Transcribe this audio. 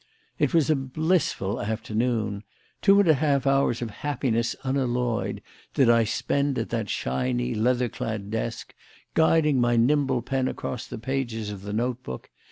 It was a blissful afternoon. Two and a half hours of happiness unalloyed did I spend at that shiny, leather clad desk, guiding my nimble pen across the pages of the note book.